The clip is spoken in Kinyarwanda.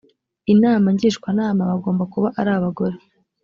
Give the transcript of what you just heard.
inama ngishwanama bagomba kuba ari abagore